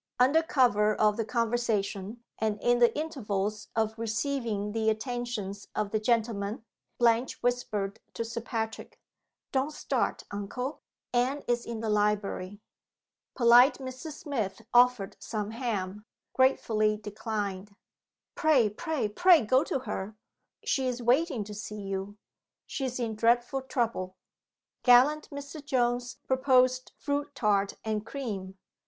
Under cover of the conversation, and in the intervals of receiving the attentions of the gentlemen, Blanche whispered to Sir Patrick, "Don't start, uncle. Anne is in the library." (Polite Mr. Smith offered some ham. Gratefully declined.) "Pray, pray, pray go to her; she is waiting to see you she is in dreadful trouble." (Gallant Mr. Jones proposed fruit tart and cream.